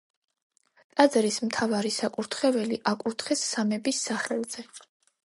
ტაძრის მთავარი საკურთხეველი აკურთხეს სამების სახელზე.